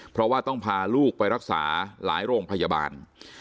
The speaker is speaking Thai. เพราะว่าต้องพาลูกไปรักษาหลายโรงพยาบาล